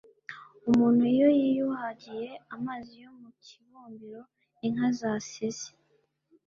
Umuntu iyo yiyuhagiye amazi yo mu kibumbiro inka zasize,